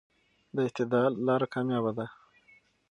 د اعتدال لاره کاميابه ده.